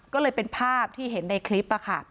ก็เลยเป็นภาพที่เห็นในคลิป